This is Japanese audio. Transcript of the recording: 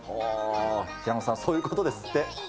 平野さん、そういうことですって。